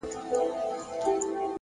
نظم د بریالیتوب خاموش بنسټ دی!